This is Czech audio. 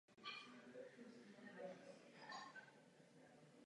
Některé byly zakoupeny v jižním Německu nebo v severní Itálii.